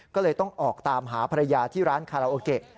ก็เลยต้องออกตามหาภรรยาที่ร้านคาราโอเกะ